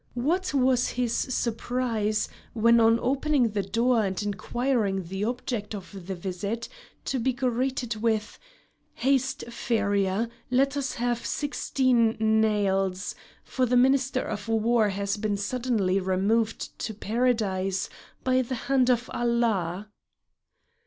What was his surprise, when on opening the door and inquiring the object of the visit, to be greeted with: "Haste, farrier, let us have sixteen nails, for the Minister of War has been suddenly removed to Paradise by the hand of Allah."